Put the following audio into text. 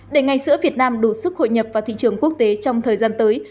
để ngành sữa việt nam đủ sức hội nhập vào thị trường quốc tế trong thời gian tới